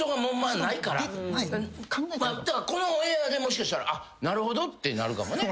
だからこのオンエアでもしかしたら「あっなるほど」ってなるかもね。